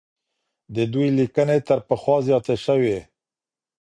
د دوی ليکنې تر پخوا زياتې سوې.